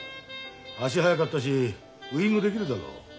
足速かったしウイングできるだろ。